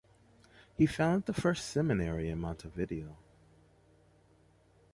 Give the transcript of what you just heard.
He founded the first Seminary in Montevideo.